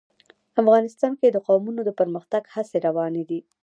افغانستان کې د قومونه د پرمختګ هڅې روانې دي.